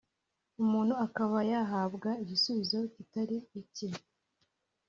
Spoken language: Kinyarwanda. umuntu akaba yahabwa igisubizo kitari icye